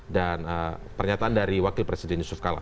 dan pernyataan dari wakil presiden yusuf kala